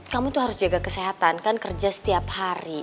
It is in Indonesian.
kamu tuh harus jaga kesehatan kan kerja setiap hari